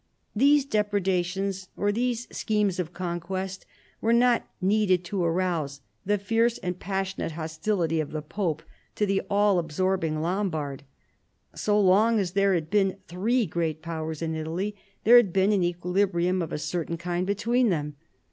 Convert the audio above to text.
These depredations, or these schemes of conquest, were not needed to arouse the fierce and passionate hostility of the pope to the all absorbing Lombard. So long as there had been three great powers in Italy there had been an equilibrium of a certain kind between them.